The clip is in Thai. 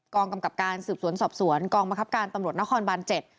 กองกำกับการสืบสวนสอบสวนกองกำกับการตำรวจนครบันเจ็ด